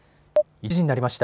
１時になりました。